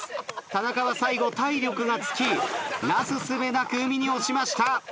田中は最後体力が尽きなすすべなく海に落ちました。